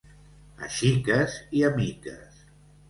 A xiques i a miques.